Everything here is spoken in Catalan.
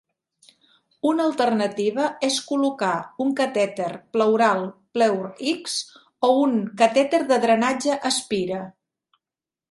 Una alternativa és col·locar un catèter pleural PleurX o un catèter de drenatge Aspira.